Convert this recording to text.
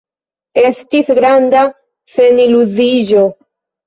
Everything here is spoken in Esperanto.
Estis granda seniluziiĝo.